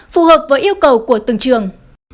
phù hợp với yêu cầu của từng trường